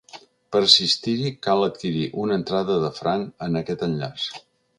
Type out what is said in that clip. Per assistir-hi cal adquirir una entrada de franc en aquest enllaç.